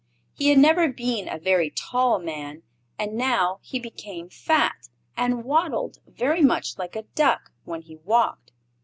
He had never been a very tall man, and now he became fat, and waddled very much like a duck when he walked.